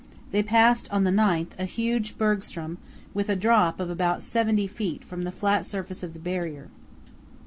They passed on the 9th a huge bergstrom, with a drop of about 70 feet from the flat surface of the Barrier.